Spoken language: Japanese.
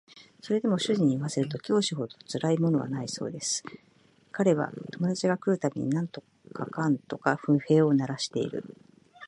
それでも主人に言わせると教師ほどつらいものはないそうで彼は友達が来る度に何とかかんとか不平を鳴らしている